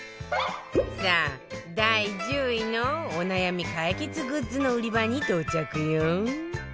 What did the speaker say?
さあ第１０位のお悩み解決グッズの売り場に到着よ